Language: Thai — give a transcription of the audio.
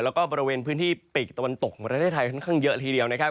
แล้วก็บริเวณพื้นที่ปีกตะวันตกของประเทศไทยค่อนข้างเยอะทีเดียวนะครับ